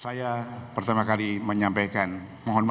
saya pertama kali menyampaikan mohon maafkan saya